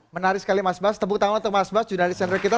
menarik sekali mas bas tepuk tangan untuk mas bas jurnalis senior kita